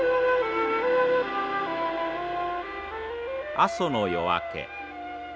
阿蘇の夜明け。